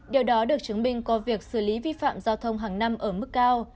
điều đó được chứng minh qua việc xử lý vi phạm giao thông hàng năm ở mức cao